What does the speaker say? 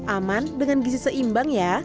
aman dengan gizi seimbang ya